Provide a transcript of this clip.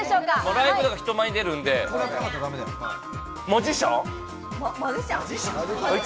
ライブでは人前に出るんで、マジシャン？